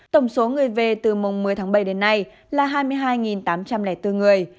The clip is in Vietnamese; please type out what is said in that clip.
tổng số người về từ mùng một mươi tháng bảy đến nay là hai mươi hai tám trăm linh bốn người